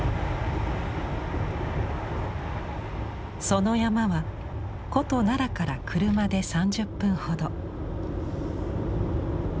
その山は古都・奈良から車で３０分ほど。